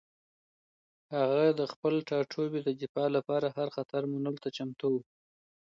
هغه د خپل ټاټوبي د دفاع لپاره هر خطر منلو ته چمتو و.